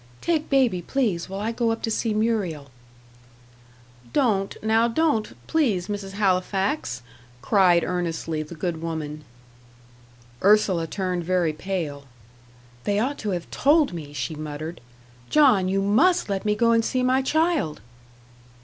"Take baby, please, while I go up to see Muriel." "Don't now don't, please, Mrs. Halifax," cried earnestly the good woman. Ursula turned very pale. "They ought to have told me," she muttered; "John, YOU MUST let me go and see my child."